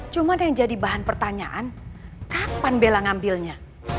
cuma yang jadi bahan pertanyaan kapan bella ngambilnya